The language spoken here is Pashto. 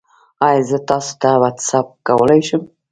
ایا زه تاسو ته واټساپ کولی شم؟